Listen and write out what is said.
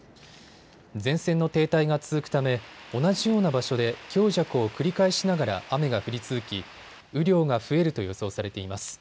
前線の停滞が続くため同じような場所で強弱を繰り返しながら雨が降り続き雨量が増えると予想されています。